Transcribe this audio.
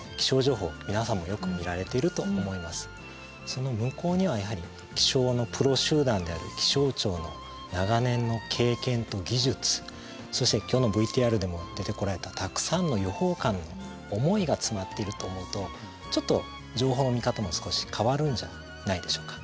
その向こうにはやはり気象のプロ集団である気象庁の長年の経験と技術そして今日のＶＴＲでも出てこられたたくさんの予報官の思いが詰まっていると思うとちょっと情報の見方も少し変わるんじゃないでしょうか。